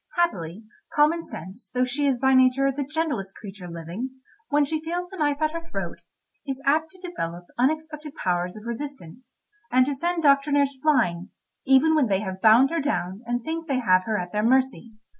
Happily common sense, though she is by nature the gentlest creature living, when she feels the knife at her throat, is apt to develop unexpected powers of resistance, and to send doctrinaires flying, even when they have bound her down and think they have her at their mercy.